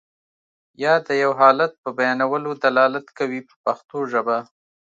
یا د یو حالت په بیانولو دلالت کوي په پښتو ژبه.